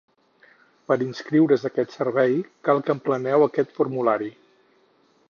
Per inscriure's a aquest servei, cal que empleneu aquest formulari.